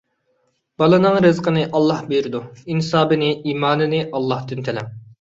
بالىنىڭ رىزقىنى ئاللاھ بېرىدۇ. ئىنسابىنى، ئىمانىنى ئاللاھتىن تىلەڭ.